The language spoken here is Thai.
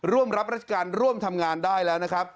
ร่วมรับราชการร่วมทำงานได้แล้วนะครับ